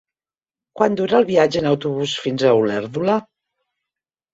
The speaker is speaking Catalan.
Quant dura el viatge en autobús fins a Olèrdola?